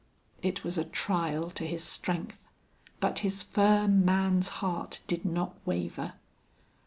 It was a trial to his strength, but his firm man's heart did not waver.